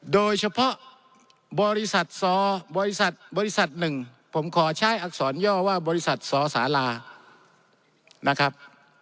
โดยเฉพาะบริษัทซอบริษัทบริษัทหนึ่งผมขอใช้อักษรย่อว่าบริษัทสสารานะครับ